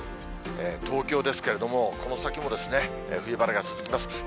東京ですけれども、この先も冬晴れが続きます。